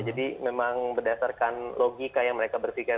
jadi memang berdasarkan logika yang mereka berpikir